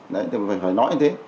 đấy phải nói như thế